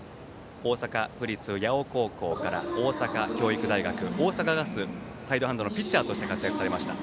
大坂府立八尾高校から大阪教育大学大阪ガス、サイドハンドのピッチャーとして活躍されました。